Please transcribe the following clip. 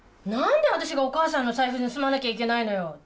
何で私がお母さんの財布盗まなきゃいけないのよ？